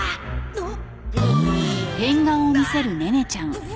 あっ！